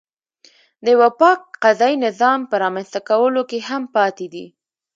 د یوه پاک قضایي نظام په رامنځته کولو کې هم پاتې دی.